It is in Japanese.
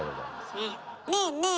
ねえねえ